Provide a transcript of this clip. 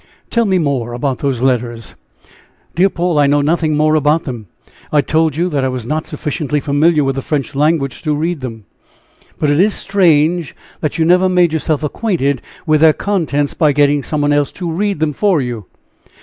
"Tell me more about those letters." "Dear Paul, I know nothing more about them; I told you that I was not sufficiently familiar with the French language to read them." "But it is strange that you never made yourself acquainted with their contents by getting some one else to read them for you."